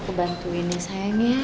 aku bantuin ya sayang ya